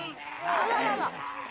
あららら！